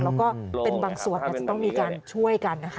แล้วก็เป็นบางส่วนอาจจะต้องมีการช่วยกันนะคะ